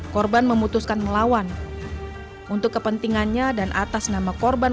korban memutuskan melawan untuk kepentingannya dan atas nama korban